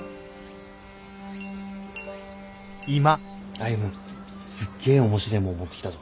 歩すっげえ面白えもん持ってきたぞ。